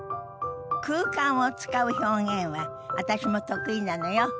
空間を使う表現は私も得意なのよ。